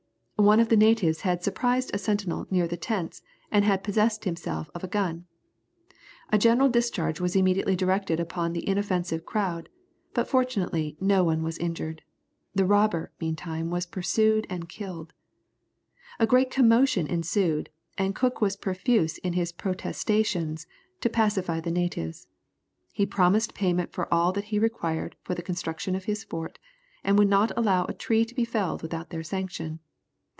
One of the natives had surprised a sentinel near the tents, and had possessed himself of his gun. A general discharge was immediately directed upon the inoffensive crowd, but fortunately no one was injured. The robber meantime was pursued and killed. A great commotion ensued, and Cook was profuse in his protestations, to pacify the natives. He promised payment for all that he required for the construction of his fort, and would not allow a tree to be felled without their sanction.